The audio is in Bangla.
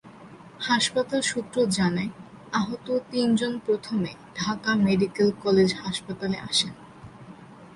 হাসপাতাল সূত্র জানায়, আহত তিনজন প্রথমে ঢাকা মেডিকেল কলেজ হাসপাতালে আসেন।